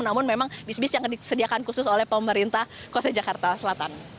namun memang bis bis yang disediakan khusus oleh pemerintah kota jakarta selatan